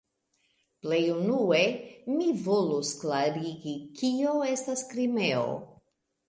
Plej unue mi volus klarigi, kio estas "Krimeo".